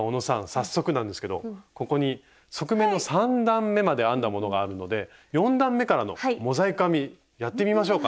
早速なんですけどここに側面の３段めまで編んだものがあるので４段めからのモザイク編みやってみましょうか？